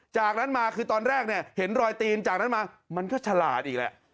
จากนั้นมาคือตอนแรกเนี่ยเห็นรอยตีนจากนั้นมามันก็ฉลาดอีกแหละ